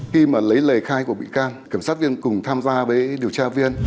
khi mà lấy lời khai của bị can kiểm sát viên cùng tham gia với điều tra viên